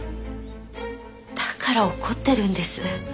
だから怒ってるんです。